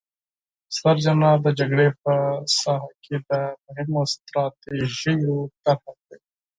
ستر جنرال د جګړې په ساحه کې د مهمو ستراتیژیو طرحه ورکوي.